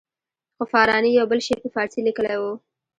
خو فاراني یو بل شعر په فارسي لیکلی وو.